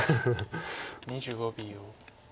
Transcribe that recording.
２５秒。